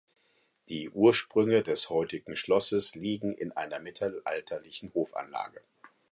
Die Ursprünge des heutigen Schlosses liegen in einer mittelalterlichen Hofanlage.